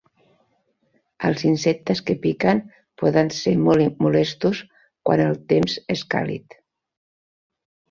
Els insectes que piquen poden ser molt molestos quan el temps és càlid.